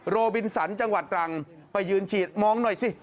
โรบินสันจังหวัดตรังไปยืนฉีดมองหน่อยสิ